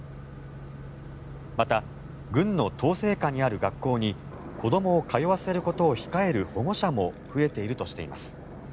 また、軍の統制下にある学校に子どもを通わせることを控える保護者も増えているとしています。